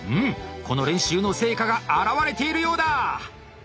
この練習の成果が表れているようだ！